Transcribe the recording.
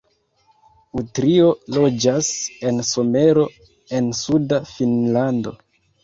Utrio loĝas en Somero en suda Finnlando.